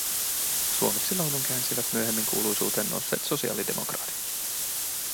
Suomeksi laulun käänsivät myöhemmin kuuluisuuteen nousseet sosiaalidemokraatit